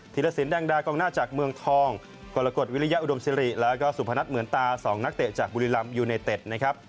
ธิรษินดังดากองหน้าจากเมืองทองกรกฎวิริยาอุดมสิริและสุพนัทเหมือนตา๒นักเตะจากบุรีลำยูเนเต็ด